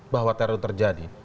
bahwa teror terjadi